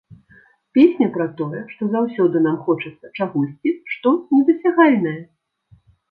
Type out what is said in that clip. Песня пра тое, што заўсёды нам хочацца чагосьці, што недасягальнае.